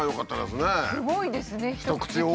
すごいですね一口寄付。